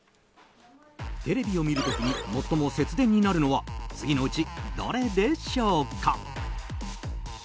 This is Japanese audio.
テレビを見る時に最も節電になるのは次のうちどれでしょうか。